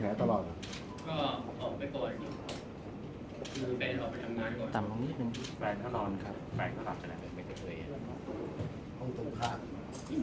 แฟนก็หลับอยู่ไม่รู้เรื่องอะไรเลยใช่มั้ยครับ